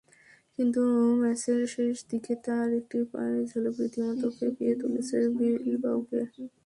কিন্তু ম্যাচের শেষ দিকে তাঁর একটি পায়ের ঝলক রীতিমতো খেপিয়ে তুলেছে বিলবাওকে।